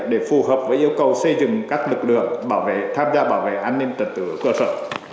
để phù hợp với yêu cầu xây dựng các lực lượng bảo vệ tham gia bảo vệ an ninh trật tự ở cơ sở